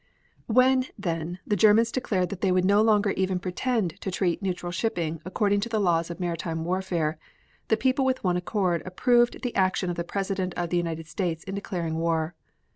When, then, the Germans declared that they would no longer even pretend to treat neutral shipping according to the laws of maritime warfare the people with one accord approved the action of the President of the United States in declaring war.